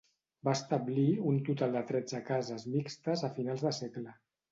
Va establir un total de tretze cases mixtes a finals de segle.